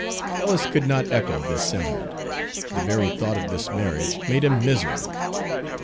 Ellis could not echo this sentiment. The very thought of this marriage made him miserable.